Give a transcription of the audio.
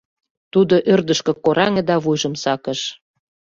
Тудо ӧрдыжкӧ кораҥе да вуйжым сакыш.